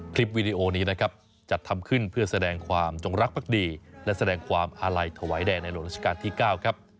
วีดีโอนี้นะครับจัดทำขึ้นเพื่อแสดงความจงรักภักดีและแสดงความอาลัยถวายแด่ในหลวงราชการที่๙ครับ